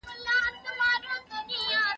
هغه په ارامه ناست و او مطالعه یې کوله.